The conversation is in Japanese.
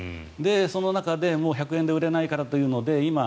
その中で１００円で売れないからというので今、２００円